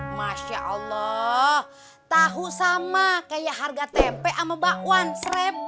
masya allah tahu sama kayak harga tempe sama bakwan serep